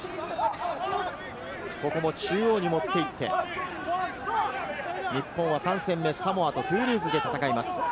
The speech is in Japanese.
ここも中央に持っていって、日本は３戦目、サモアとトゥールーズで戦います。